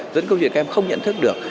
dẫn câu chuyện các em không nhận thức được